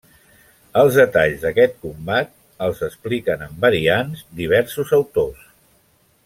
Els detalls d'aquest combat els expliquen amb variants, diversos autors.